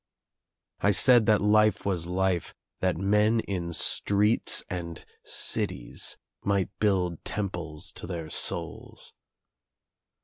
I said that life was life, that men In streets and cities might build temples to their souls.